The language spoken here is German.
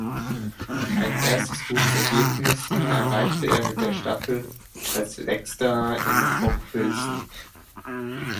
Ein erstes gutes Ergebnis erreichte er mit der Staffel als Sechster in Hochfilzen.